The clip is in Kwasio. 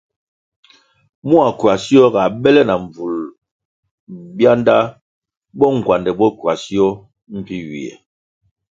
Mua ckywasio ga bèle na mbvul bianda bo ngwandè bo ckywasio mbpi ywie.